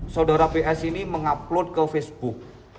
saudara ps ini mengupload ke facebook